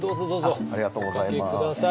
ありがとうございます。